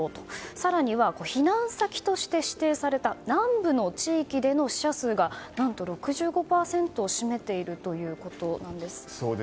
更には避難先として指定された南部の地域での死者数が、何と６５％を占めているということです。